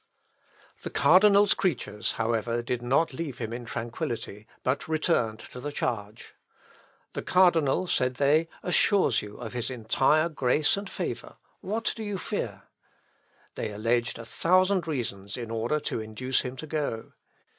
The cardinal's creatures, however, did not leave him in tranquillity, but returned to the charge. "The Cardinal," said they, "assures you of his entire grace and favour. What do you fear?" They alleged a thousand reasons in order to induce him to go.